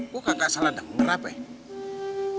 gua kagak salah denger apa ya